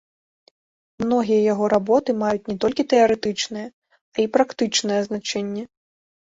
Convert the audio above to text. Многія яго работы маюць не толькі тэарэтычнае, а і практычнае значэнне.